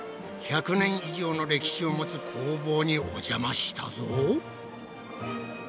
１００年以上の歴史を持つ工房にお邪魔したぞ。